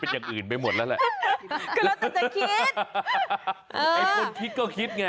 ไอ้คนคิดก็คิดไง